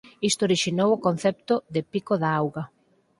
Isto orixinou o concepto de pico da auga.